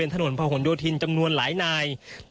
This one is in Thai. อันนี้คือเต็มร้อยเป็นเต็มร้อยเปอร์เซ็นต์แล้วนะครับ